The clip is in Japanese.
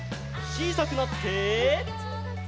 ちいさくなって。